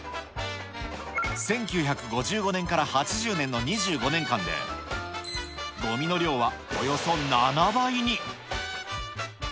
１９５５年から８０年の２５年間で、ごみの量はおよそ７倍に。